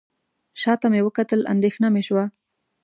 شاته مې وکتل اندېښنه مې شوه.